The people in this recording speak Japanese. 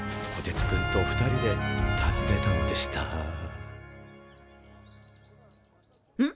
つくんと２人で訪ねたのでしたん？